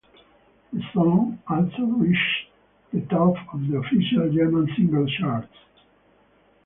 The song also reached the top of the Official German Single Charts.